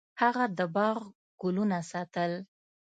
هغه د باغ ګلونه ساتل.